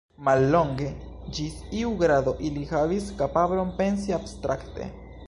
Mallonge, ĝis iu grado ili havis kapablon pensi abstrakte.